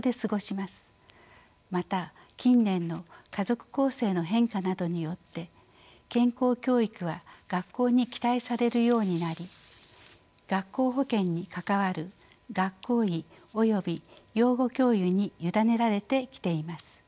また近年の家族構成の変化などによって健康教育は学校に期待されるようになり学校保健に関わる学校医および養護教諭に委ねられてきています。